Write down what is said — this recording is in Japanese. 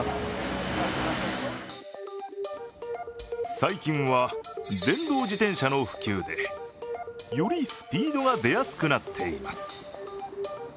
最近は、電動自転車の普及でよりスピードが出やすくなっています。